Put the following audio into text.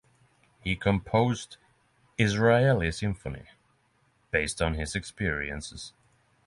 He composed "Israeli Symphony" based on his experiences.